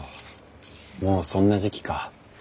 もうそんな時期か。